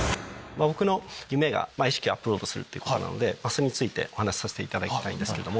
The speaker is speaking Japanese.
僕の夢が意識をアップロードするということなのでそれについてお話しさせていただきたいんですけども。